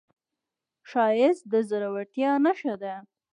ښایست د زړورتیا نښه ده